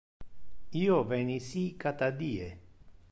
Io veni ci cata die.